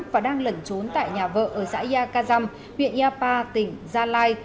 và đang lẩn trốn tại nhà vợ ở xã yacazam huyện yapa tỉnh gia lai